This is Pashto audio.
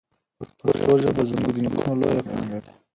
پښتو ژبه زموږ د نیکونو لویه پانګه ده.